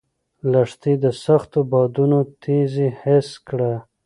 لښتې د سختو بادونو تېزي حس کړه.